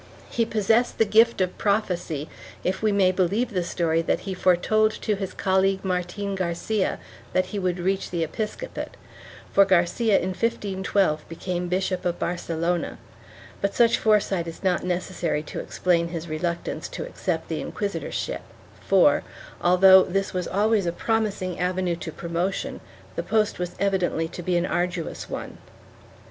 He possessed the gift of prophecy, if we may believe the story that he foretold to his colleague Martin Garcia that he would reach the episcopate, for Garcia, in 1512, became Bishop of Barcelona, but such foresight is not necessary to explain his reluctance to accept the inquisitorship, for, although this was always a promising avenue to promotion, the post was evidently to be an arduous one.